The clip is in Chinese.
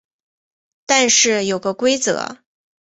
但是有个规则